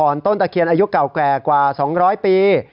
ต้นตะเคียนอายุเก่าแก่กว่า๒๐๐ปี